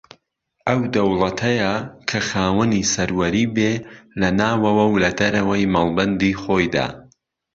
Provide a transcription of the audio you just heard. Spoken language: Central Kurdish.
ئەو دەوڵەتەیە کە خاوەنی سەروەری بێ لە ناوەوە و لە دەرەوەی مەڵبەندی خۆیدا